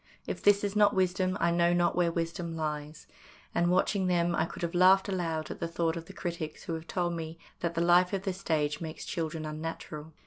If this is not wisdom I know not where wisdom lies, and, watching them, I could have laughed aloud at the thought of the critics who have told me that the life of the stage makes children unnatural.